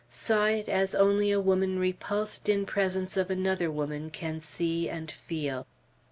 Saw it, as only a woman repulsed in presence of another woman can see and feel.